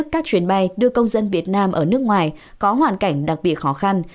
các chuyến bay đưa công dân việt nam ở nước ngoài có hoàn cảnh đặc biệt khó khăn